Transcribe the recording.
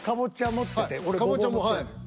持ってて俺ゴボウ持ってんねん。